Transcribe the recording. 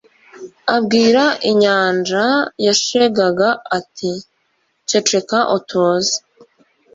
abwira inyanja yashegaga ati : "ceceka utuze".